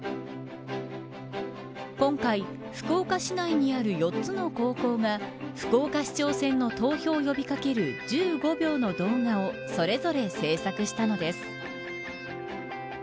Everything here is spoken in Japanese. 今回、福岡市内にある４つの高校が福岡市長選の投票を呼び掛ける１５秒の動画をそれぞれ制作したのです。